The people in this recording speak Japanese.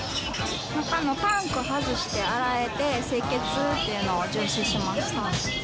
中のタンク外して洗えて、清潔っていうのを重視しました。